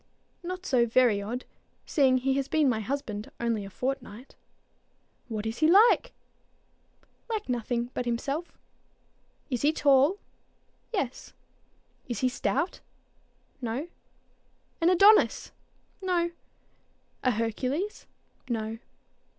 "Not so very odd, seeing he has been my husband only a fortnight." "What is he like?" "Like nothing but himself." "Is he tall?" "Yes." "Is he stout?" "No." "An Adonis?" "No." "A Hercules?" "No."